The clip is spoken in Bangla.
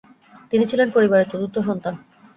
তিনি ছিলেন পরিবারের চতুর্থ সন্তান।